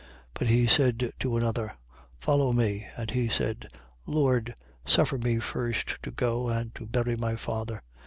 9:59. But he said to another: Follow me. And he said: Lord, suffer me first to go and to bury my father.